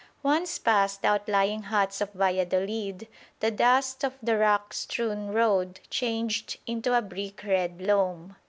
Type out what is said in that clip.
Once past the outlying huts of Valladolid, the dust of the rock strewn road changed into a brick red loam.